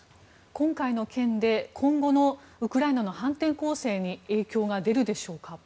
今回の件で今後のウクライナの反転攻勢に影響が出るでしょうか。